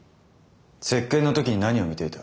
接見の時に何を見ていた？